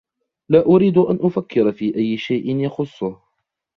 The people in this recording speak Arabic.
لا أريد أن أفكّر في أيّ شيء يخصّه.